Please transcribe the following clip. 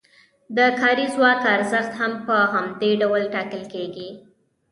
د کاري ځواک ارزښت هم په همدې ډول ټاکل کیږي.